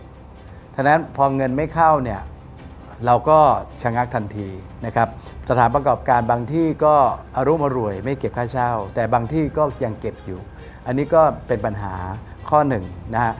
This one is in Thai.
เพราะฉะนั้นพอเงินไม่เข้าเนี่ยเราก็ชะงักทันทีนะครับสถานประกอบการบางที่ก็อรุมอร่วยไม่เก็บค่าเช่าแต่บางที่ก็ยังเก็บอยู่อันนี้ก็เป็นปัญหาข้อหนึ่งนะฮะ